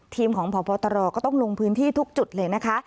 ทีมของพบตรก็ต้องลงพื้นที่ทุกจุดเลยนะคะ